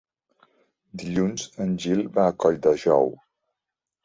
Dilluns en Gil va a Colldejou.